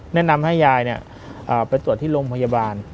แนะนำให้ยายไปตรวจที่โรงพยาบาล